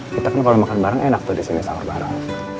kita kan kalo makan bareng enak tuh disini saur bareng